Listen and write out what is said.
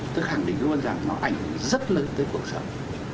tôi khẳng định luôn rằng nó ảnh hưởng rất lớn tới cuộc sống